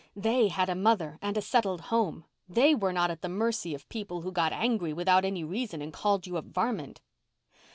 They had a mother and a settled home—they were not at the mercy of people who got angry without any reason and called you a varmint.